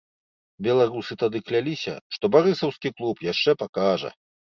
Беларусы тады кляліся, што барысаўскі клуб яшчэ пакажа.